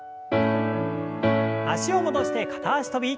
脚を戻して片脚跳び。